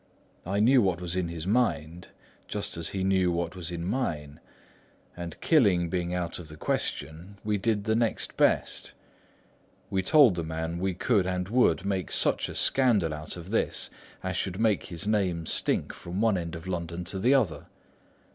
I knew what was in his mind, just as he knew what was in mine; and killing being out of the question, we did the next best. We told the man we could and would make such a scandal out of this as should make his name stink from one end of London to the other.